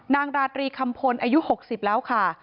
ราตรีคำพลอายุ๖๐แล้วค่ะ